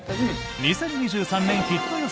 ２０２３年ヒット予測。